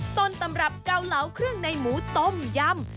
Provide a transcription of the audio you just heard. ต้นตำรับเกาเหลาเครื่องในหมูต้มยำ